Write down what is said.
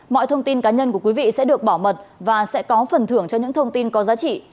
mọi thông tin cá nhân của quý vị sẽ được bảo mật và sẽ có phần thưởng cho những thông tin có giá trị